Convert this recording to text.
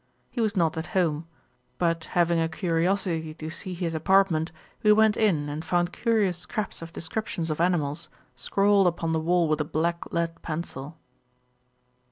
He was not at home; but having a curiosity to see his apartment, we went in and found curious scraps of descriptions of animals, scrawled upon the wall with a black lead pencil.